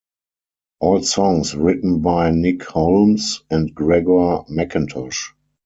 All songs written by Nick Holmes and Gregor Mackintosh.